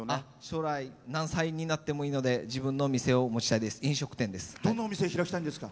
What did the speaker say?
将来何歳になってもいいので自分の店を持ちたいです